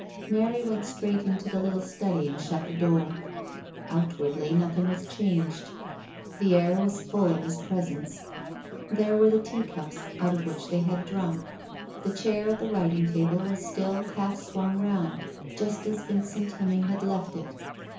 Mary went straight into the little study and shut the door. Outwardly nothing was changed. The air was full of his presence. There were the teacups out of which they had drunk; the chair at the writing table was still half swung round, just as Vincent Hemming had left it.